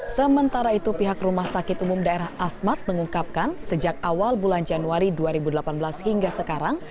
sementara itu pihak rumah sakit umum daerah asmat mengungkapkan sejak awal bulan januari dua ribu delapan belas hingga sekarang